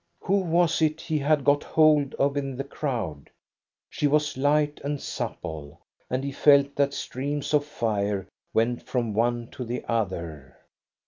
Who was it he had got hold of in the crowd ? She was light and supple, and he felt that streams of fire went from one to the other.